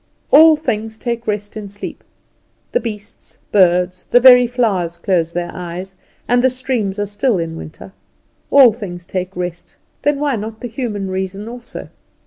All things take rest in sleep; the beasts, birds, the very flowers close their eyes, and the streams are still in winter; all things take rest; then why not the human reason also?